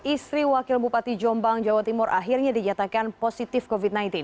istri wakil bupati jombang jawa timur akhirnya dinyatakan positif covid sembilan belas